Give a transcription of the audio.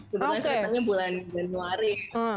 sebenarnya ceritanya bulan januari